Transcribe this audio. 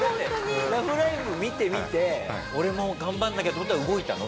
だって『ラブライブ！』見てみて俺も頑張らなきゃと思ったら動いたの？